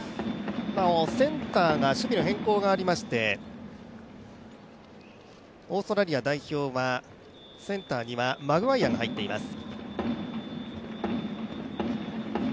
センターが守備の変更がありましてオーストラリア代表はセンターにはマグワイアが入っています。